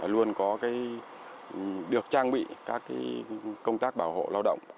luôn có được trang bị các công tác bảo hộ lao động